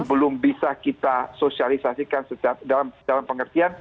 belum bisa kita sosialisasikan dalam pengertian